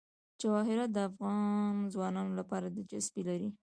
جواهرات د افغان ځوانانو لپاره دلچسپي لري.